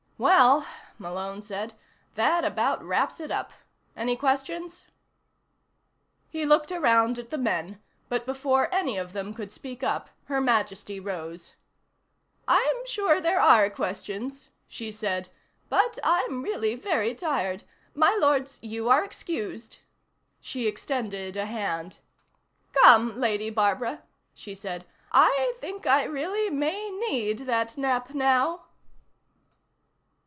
"Well," Malone said, "that about wraps it up. Any questions?" He looked around at the men, but before any of them could speak up Her Majesty rose. "I'm sure there are questions," she said, "but I'm really very tired. My lords, you are excused." She extended a hand. "Come, Lady Barbara," she said. "I think I really may need that nap, now."